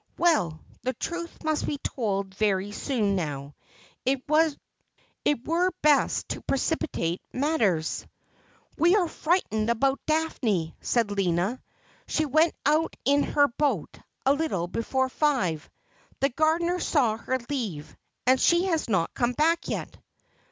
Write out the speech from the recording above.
Well ! The truth must be told very soon now. It were best to precipitate matters. ' We are frightened about Daphne,' said Lina ;' she went out in her boat a little before five — the gardener saw her leave — and she has not come back yet.'